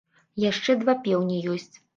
Яшчэ два пеўні ёсць.